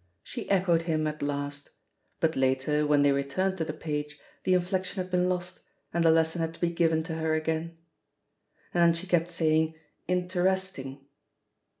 " She echoed him at last; but later, when they returned to the page, the inflexion had been lost, and the lesson had to be given to her again. And then she kept saying "interesting."